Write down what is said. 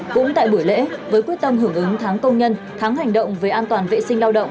cũng tại buổi lễ với quyết tâm hưởng ứng tháng công nhân tháng hành động về an toàn vệ sinh lao động